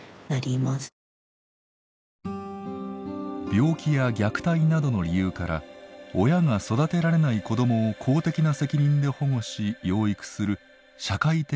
病気や虐待などの理由から親が育てられない子どもを公的な責任で保護し養育する社会的養護。